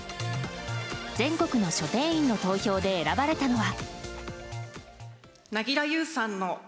全国の書店員の投票で選ばれたのは。